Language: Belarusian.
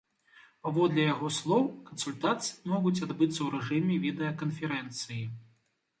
Паводле яго слоў, кансультацыі могуць адбыцца ў рэжыме відэаканферэнцыі.